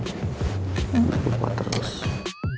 tunggu aku mau pindah lokasi